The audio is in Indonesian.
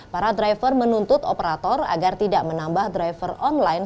para driver menuntut operator agar tidak menambah driver online